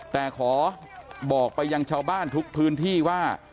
แต่ขอบอกไปยังชาวบ้านทุกพื้นที่ว่า